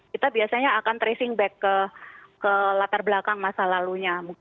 kita biasanya akan tracing back ke latar belakang masa lalunya